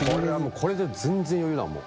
これで全然余裕だもう。